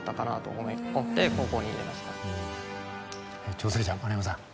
挑戦者丸山さん